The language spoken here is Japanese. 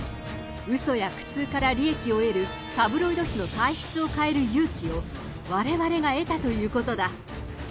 うそや苦痛から利益を得るタブロイド紙の体質を変える勇気を、われわれが得たということだ！